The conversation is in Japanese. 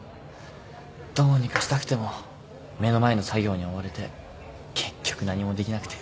どうにかしたくても目の前の作業に追われて結局何もできなくて。